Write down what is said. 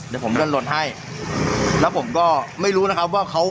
เดี๋ยวผมเลื่อนรถให้แล้วผมก็ไม่รู้นะครับว่าเขา